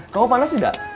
kamu panas tidak